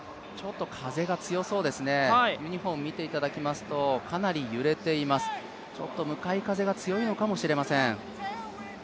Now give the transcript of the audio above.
風が強そうですね、ユニフォーム見ていただきますとかなり揺れています、向かい風が強いのかもしれません。